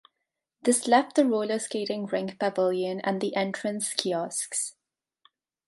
This left the roller skating rink pavilion and the entrance kiosks.